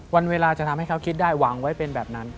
วันเวลาจะทำให้เขาคิดได้หวังไว้เป็นแบบนั้น